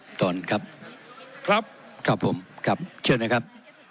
ขอประท้วงครับขอประท้วงครับขอประท้วงครับขอประท้วงครับ